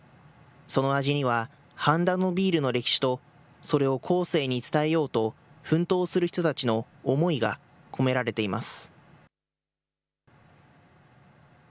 その味には半田のビールの歴史と、それを後世に伝えようと、奮闘する人たちの思いが込められています。